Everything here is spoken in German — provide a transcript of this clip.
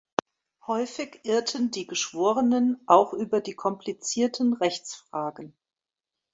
Häufig irrten die Geschworenen auch über die komplizierten Rechtsfragen.